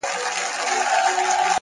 صادق انسان آرامه شپه لري،